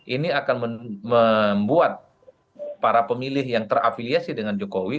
ini akan membuat para pemilih yang terafiliasi dengan jokowi